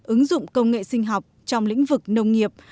ứng dụng công nghệ sinh học trong lĩnh vực nông nghiệp